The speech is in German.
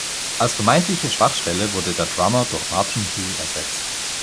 Als vermeintliche Schwachstelle wurde der Drummer durch Martin Hughes ersetzt.